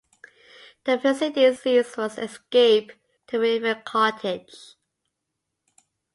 The preceding series was Escape to River Cottage.